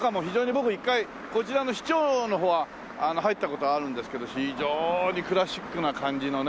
僕一回こちらの市庁の方は入った事はあるんですけど非常にクラシックな感じのね。